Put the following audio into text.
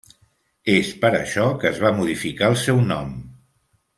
És per això que es va modificar el seu nom.